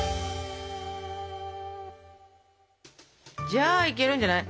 じゃあいけるんじゃない？